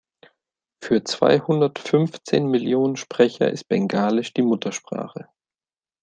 Für zweihundertfünfzehn Millionen Sprecher ist Bengalisch die Muttersprache.